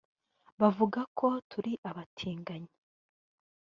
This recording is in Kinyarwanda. bakavuga ko turi abatinganyi